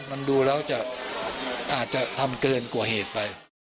มันดูแล้วจะอาจจะทำเกินกว่าเหตุไป